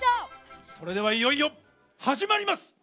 それではいよいよ始まります！